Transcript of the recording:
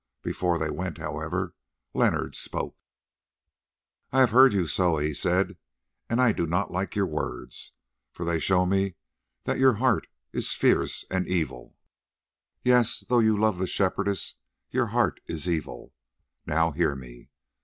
Before they went, however, Leonard spoke. "I have heard you, Soa," he said, "and I do not like your words, for they show me that your heart is fierce and evil. Yes, though you love the Shepherdess, your heart is evil. Now hear me.